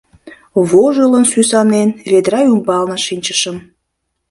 Вожылын-сӱсанен, ведра ӱмбалне шинчышым.